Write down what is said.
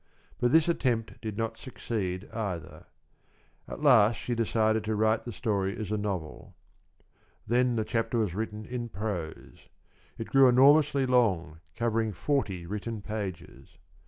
But this attempt did not succeed, either; at last she decided to write the story as a novel. Then the chapter was written in prose. It grew enormously long, covering forty written pages.